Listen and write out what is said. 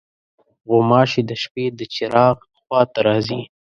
غوماشې د شپې د چراغ خوا ته راځي.